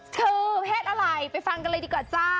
คือเพศอะไรไปฟังกันเลยดีกว่าจ้า